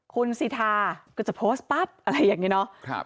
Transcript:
คุณสิทาก็จะโพสต์ปั๊บอะไรอย่างนี้เนาะ